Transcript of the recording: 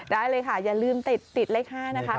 ได้เลยค่ะอย่าลืมติดเลข๕นะคะ